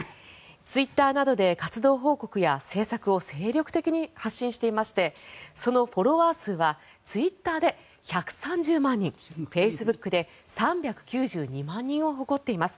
ツイッターなどで活動報告や政策を精力的に発信していましてそのフォロワー数はツイッターで１３０万人フェイスブックで３９２万人を誇っています。